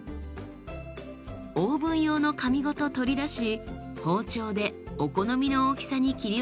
オーブン用の紙ごと取り出し包丁でお好みの大きさに切り分けます。